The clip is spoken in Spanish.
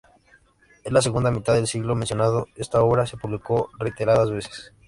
En la segunda mitad del siglo mencionado, esta obra se publicó reiteradas veces.